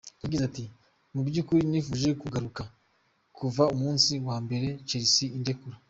Yagize ati “Mu by’ukuri nifuje kugaruka kuva umunsi wa mbere Chelsea indekura.